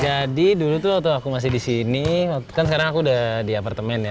jadi dulu tuh waktu aku masih di sini kan sekarang aku udah di apartemen ya